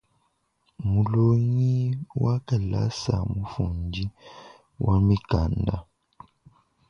Mulongi wa kalasa mufundi wa mikanda.